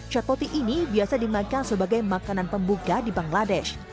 chat poti ini biasa dimakan sebagai makanan pembuka di bangladesh